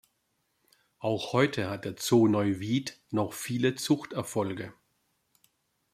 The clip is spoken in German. Auch heute hat der Zoo Neuwied noch viele Zuchterfolge.